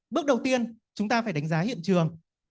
bước đầu tiên chúng ta phải đánh giá hiện trường